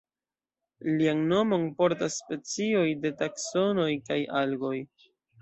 Lian nomon portas specioj de Taksonoj kaj Algoj.